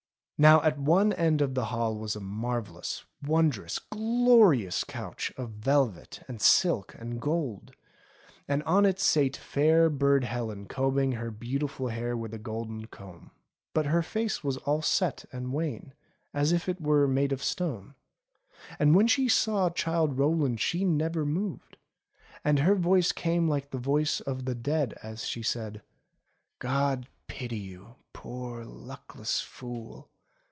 Now at one end of the hall was a marvellous, wondrous, glorious couch of velvet, and silk, and gold ; and on it sate fair Burd Helen combing her beautiful golden hair with a golden comb. But her face was all set and wan, as if it were made of stone. And when she saw Childe Rowland she never moved, and her voice came like the voice of the dead as she said : "God pity you, poor luckless fool